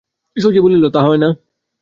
শশী বলিল, তা হয় না।